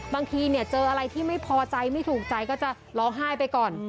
บางทีเนี่ยเจออะไรที่ไม่พอใจไม่ถูกใจก็จะร้องไห้ไปก่อน